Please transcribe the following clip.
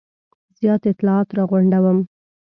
زیات اطلاعات را غونډوم.